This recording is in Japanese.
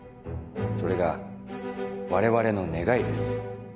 それが我々の願いです。